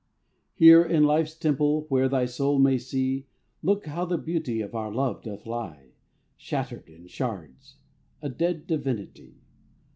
Here in life's temple, where thy soul can see, Look where the beauty of our love doth lie, Shattered in shards, a dead divinity!